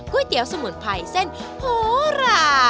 ก๋วยเตี๊ยวสมุนไพรเส้นภูระ